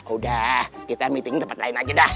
udah kita meeting di tempat lain aja